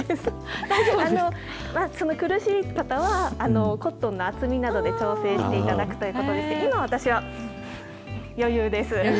その苦しい方は、コットンの厚みなどで調整していただくということで、今、私は余裕です。